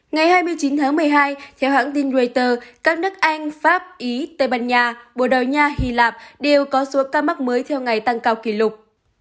ngày hai mươi chín tháng một mươi hai theo hãng tin reuters các nước anh pháp ý tây ban nha bồ đào nha hy lạp đều có số ca mắc mới theo ngày tăng cao kỷ lục